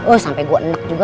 woy sampe gua enak juga